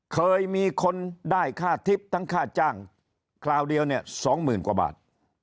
เคยมีคนได้ค่าทิพย์ทั้งค่าจ้างคราวเดียวเนี่ย๒๐๐๐กว่าบาท